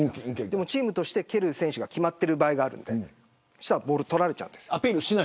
でもチームとして蹴る選手が決まっている場合があってそうしたらボール、取られちゃうんです。